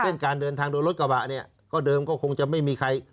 การเดินทางโดยรถกระบะเนี่ยก็เดิมก็คงจะไม่มีใคร